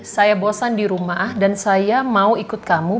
saya bosan di rumah dan saya mau ikut kamu